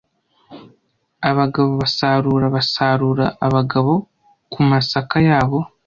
Abagabo basarura basarura abagabo kumasaka yabo,